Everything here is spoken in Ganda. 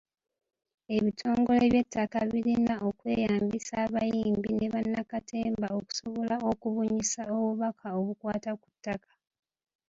Ebitongole by'ettaka birina okweyambisa abayimbi ne bannakatemba okusobola okubunyisa obubaka obukwata ku ttaka.